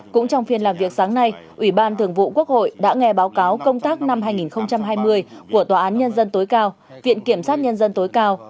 cũng trong phiên làm việc sáng nay ủy ban thường vụ quốc hội đã nghe báo cáo công tác năm hai nghìn hai mươi của tòa án nhân dân tối cao viện kiểm sát nhân dân tối cao